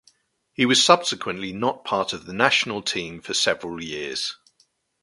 He was subsequently not part of the national team for several years.